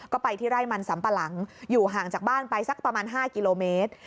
ก็ไปที่ไร่มันสัมปะหลังอยู่ห่างจากบ้านไปสักประมาณ๕กิโลเมตร